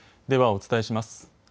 ではお伝えします。